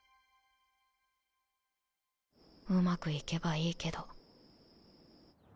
うまくいけばいいけど。